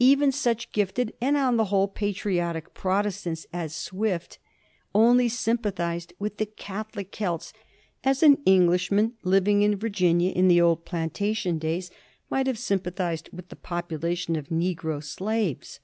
Even such gifted, and, on the whole, patriotic Protestants as Swift only sympathized with the Catholic Celts as an Englishman living in Virginia, in the old plantation days, might have sympathized with the population of negro slaves.